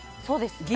そうです。